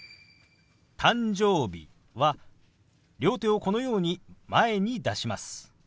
「誕生日」は両手をこのように前に出します。